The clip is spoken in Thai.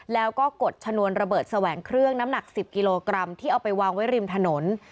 แล้วก็กดชนวนระเบิดแสวงเครื่องน้ำหนัก๑๐กิโลกรัมที่เอาไปวางไว้ริมถนน